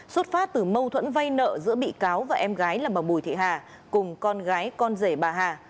xuất phát từ mâu thuẫn vay nợ giữa bị cáo và em gái là bà bùi thị hà cùng con gái con rể bà hà